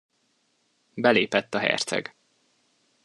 Belépett a herceg.